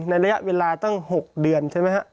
ระยะเวลาตั้ง๖เดือนใช่ไหมฮะ